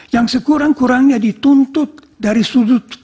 yang sekurang kurangnya dituntut dari sudut